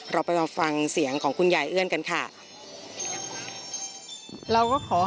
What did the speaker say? เราไปลองฟังเสียงของคุณยายเอื้อนกันค่ะ